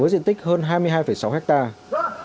với diện tích hơn hai mươi hai sáu hectare